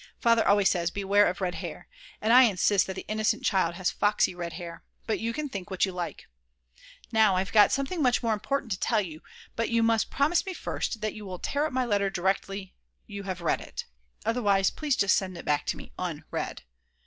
Father always says: Beware of red hair! And I insist that the "innocent child" has foxy red hair. But you can think what you like. Now I've got something much more important to tell you. But you must promise me dirst that you will tear up my letter directly you have read it. Otherwise please send it back to me _un_read.